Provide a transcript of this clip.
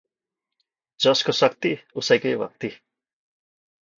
जसको शक्ति उसकै भक्ति